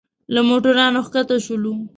له موټرانو ښکته شولو.